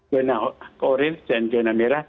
jurnal oranye dan jurnal merah